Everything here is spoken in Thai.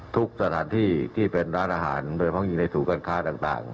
ทุกสถานที่ที่เป็นร้านอาหารโดยเฉพาะอยู่ในศูนย์การค้าต่าง